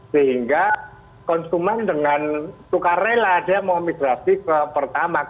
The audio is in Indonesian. sehingga konsumen dengan suka rela dia mau migrasi ke pertamak